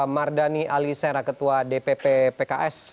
mardhani ali saya era ketua dpp pks